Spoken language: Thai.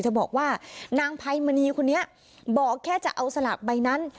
บอกว่านางไพมณีคนนี้บอกแค่จะเอาสลากใบนั้น